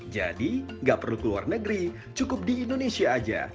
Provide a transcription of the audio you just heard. jadi gak perlu keluar negeri cukup di indonesia aja